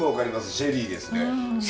シェリーですね！